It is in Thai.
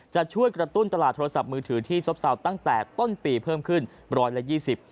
จะช่วยกระตุ้นตลาดโทรศัพท์มือถือที่ซอปตั้งแต่ต้นปีเพิ่มขึ้น๑๒๐บาท